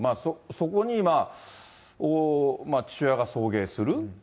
そこに父親が送迎する。